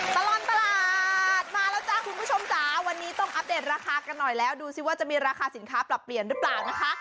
ตลอดตลาดมาแล้วจ้าคุณผู้ชมจ๋าวันนี้ต้องอัปเดตราคากันหน่อยแล้วดูสิว่าจะมีราคาสินค้าปรับเปลี่ยนหรือเปล่านะคะ